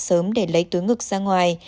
sớm để lấy túi ngực ra ngoài